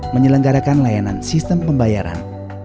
menyelenggarakan layanan sistem pembayaran